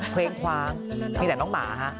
เพลงคว้างมีแต่น้องหมาฮะ